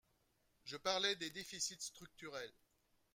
Je parlais des déficits structurels